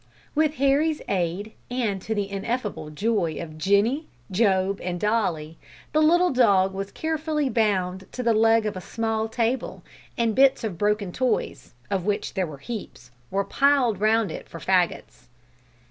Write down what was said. With Harry's aid, and to the ineffable joy of Jenny, Job, and Dolly, the little dog was carefully bound to the leg of a small table, and bits of broken toys of which there were heaps were piled round it for fagots.